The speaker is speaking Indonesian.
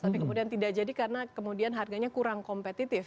tapi kemudian tidak jadi karena kemudian harganya kurang kompetitif